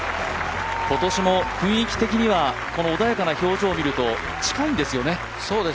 今年も雰囲気的にはこの穏やかな表情を見ると近いんですよね。